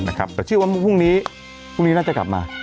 แต่เชื่อว่าพรุ่งนี้พรุ่งนี้น่าจะกลับมา